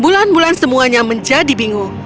bulan bulan semuanya menjadi bingung